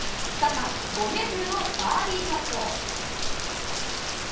３番、５ｍのバーディーパット。